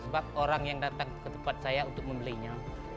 sebab orang yang datang ke tempat saya untuk membelinya